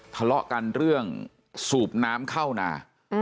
ทะเลาะกันเรื่องสูบน้ำเข้านา